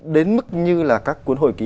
đến mức như là các cuốn hồi ký